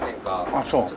あっそう。